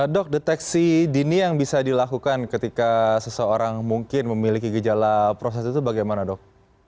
dok deteksi dini yang bisa dilakukan ketika seseorang mungkin memiliki gejala proses itu bagaimana dok